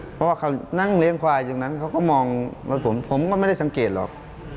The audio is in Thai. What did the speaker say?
เพราะว่าเขานั่งเลี้ยงควายตรงนั้นเขาก็มองรถผมผมก็ไม่ได้สังเกตหรอก